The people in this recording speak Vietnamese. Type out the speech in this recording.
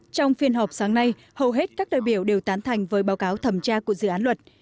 trong phiên họp sáng nay hầu hết các đại biểu đều tán thành với báo cáo thẩm tra của dự án luật